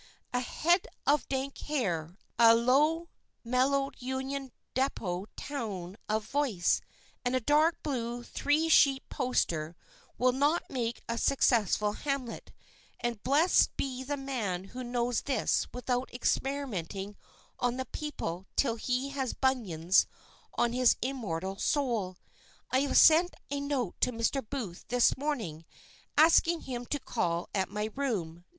A head of dank hair, a low, mellow, union depot tone of voice, and a dark blue, three sheet poster will not make a successful Hamlet, and blessed be the man who knows this without experimenting on the people till he has bunions on his immortal soul. I have sent a note to Mr. Booth this morning asking him to call at my room, No.